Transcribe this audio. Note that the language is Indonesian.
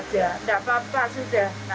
nggak apa apa sudah